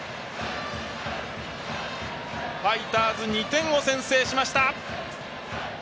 ファイターズ２点を先制しました。